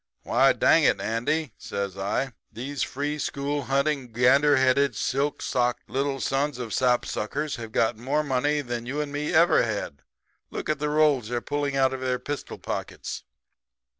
"'Why, dang it, Andy,' says I, 'these free school hunting, gander headed, silk socked little sons of sap suckers have got more money than you and me ever had. Look at the rolls they're pulling out of their pistol pockets?'